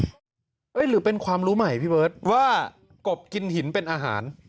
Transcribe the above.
หรือเป็นความรู้ใหม่พี่เบิร์ตว่ากบกินหินเป็นอาหาร